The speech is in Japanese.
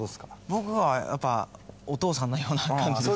僕はやっぱお父さんのような感じですね。